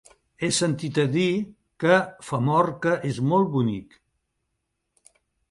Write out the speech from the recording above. He sentit a dir que Famorca és molt bonic.